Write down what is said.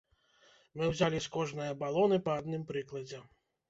Мы ўзялі з кожнае балоны па адным прыкладзе.